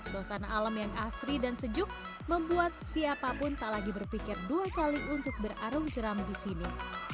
suasana alam yang asri dan sejuk membuat siapapun tak lagi berpikir dua kali untuk berarung jeram di sini